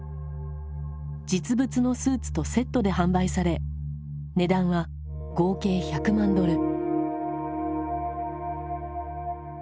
実物のスーツとセットで販売され値段は合計１００万ドル。